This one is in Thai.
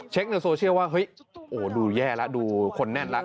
ในโซเชียลว่าเฮ้ยโอ้ดูแย่แล้วดูคนแน่นแล้ว